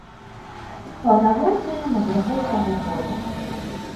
Паўнаводная на працягу ўсяго года.